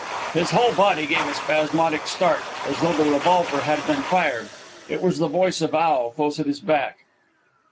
His whole body gave a spasmodic start, as though the revolver had been fired. It was the voice of Al, close at his back.